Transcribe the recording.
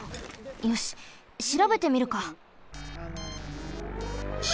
よししらべてみるか。